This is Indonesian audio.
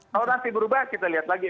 kalau nanti berubah kita lihat lagi